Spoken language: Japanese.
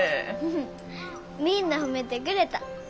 みんな褒めてくれた。